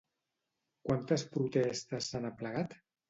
Quantes protestes s'han aplegat?